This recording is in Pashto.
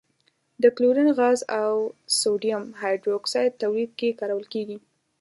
د کلورین غاز او سوډیم هایدرو اکسایډ تولید کې کارول کیږي.